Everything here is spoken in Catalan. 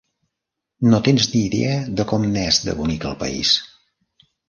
No tens ni idea de com n'és de bonic, el país.